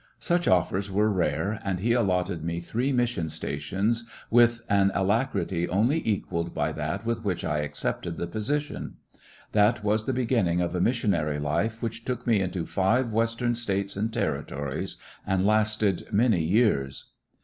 Such oflfers were rare, and he allotted me three mission stations with an alacrity only equalled by that with which I accepted the position. That was the begin ning of a missionary life which took me into five "Western States and Territories and lasted many years.